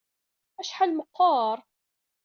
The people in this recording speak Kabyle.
Acḥal meqqer!